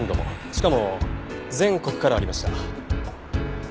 しかも全国からありました。